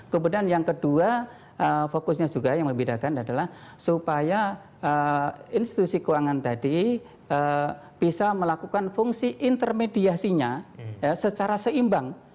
kemudian yang kedua fokusnya juga yang membedakan adalah supaya institusi keuangan tadi bisa melakukan fungsi intermediasinya secara seimbang